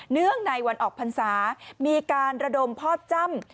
เนื่องในวันออกพรรษามีการระดมพ่อจ้ำ